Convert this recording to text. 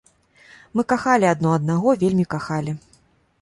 Мы кахалі адно аднаго, вельмі кахалі.